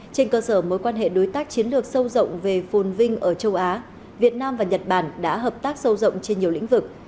trên cơ sở mối quan hệ đối tác chiến lược sâu rộng về phồn vinh ở châu á việt nam và nhật bản đã hợp tác sâu rộng trên nhiều lĩnh vực